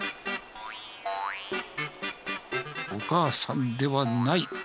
お母さんではない。